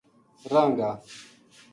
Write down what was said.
رہاں گا